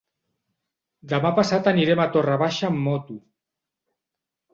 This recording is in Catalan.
Demà passat anirem a Torre Baixa amb moto.